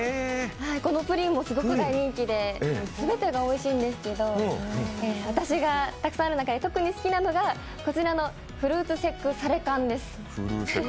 このプリンもすごい大人気で全てがおいしいんですけど私がたくさんある中で特に好きなのがこちらのフールセック・サレ缶です。